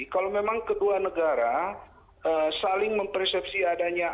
kalau memang kedua negara saling mempersepsi adanya ancaman dalam negara